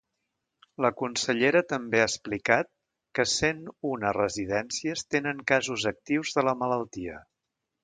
La consellera també ha explicat que cent una residències tenen casos actius de la malaltia.